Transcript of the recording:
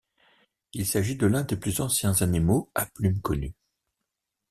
Il s'agit de l'un des plus anciens animaux à plumes connus.